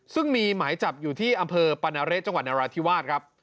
ซึ่งมีหมายจับอยู่ที่อำเภอปรณเละจังหวัดนราธิวาสครับ